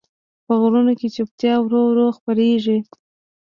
په غرونو کې چوپتیا ورو ورو خپرېږي.